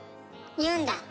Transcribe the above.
言うんだ。